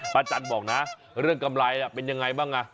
อาจารย์บอกนะเรื่องกำไรเป็นยังไงบ้าง